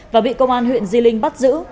và bị công an huyện di linh bắt giữ